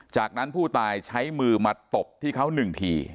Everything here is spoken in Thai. จากนั้นผู้ตายใช้มือมาตบที่เขาหนึ่งที